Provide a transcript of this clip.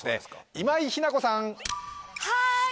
今井日奈子さんはーい！